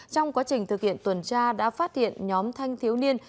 trong quá trình thực hiện tuần tra đã phát hiện nhóm thanh thiếu niên